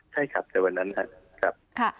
ใช่ครับแต่วันนั้นครับ